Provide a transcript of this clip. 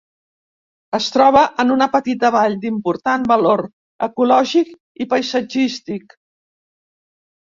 Es troba en una petita vall d'important valor ecològic i paisatgístic.